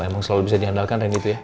emang selalu bisa diandalkan dan itu ya